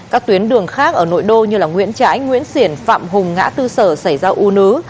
các tuyến đường khác ở nội đô như nguyễn trãi nguyễn xiển phạm hùng ngã tư sở xảy ra u nứ